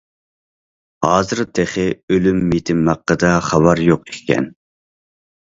ھازىر تېخى ئۆلۈم- يېتىم ھەققىدە خەۋەر يوق ئىكەن.